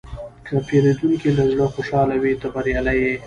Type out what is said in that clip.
که پیرودونکی له زړه خوشحاله وي، ته بریالی یې.